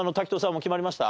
もう決まりました？